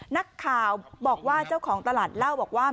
นักข่าวบอกว่าเจ้าของตลาดเล่าบอกว่า